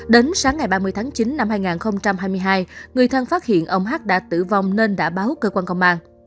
đến sáng ngày ba mươi tháng chín năm hai nghìn hai mươi hai người thân phát hiện ông hát đã tử vong nên đã báo cơ quan công an